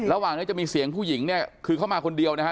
ระหว่างนี้จะมีเสียงผู้หญิงเนี่ยคือเข้ามาคนเดียวนะฮะ